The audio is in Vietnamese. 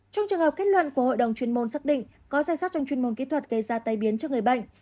trong trường hợp kết luận của hội đồng chuyên môn xác định có danh sát trong chuyên môn kỹ thuật gây ra tai biến cho người bệnh